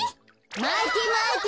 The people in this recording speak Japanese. まてまて。